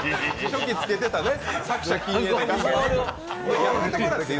初期つけてたね。